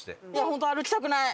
本当歩きたくない。